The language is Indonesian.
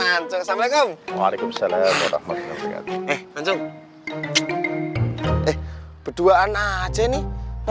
ancon assalamualaikum waalaikumsalam warahmatullahi wabarakatuh eh anjung eh berduaan aja nih mau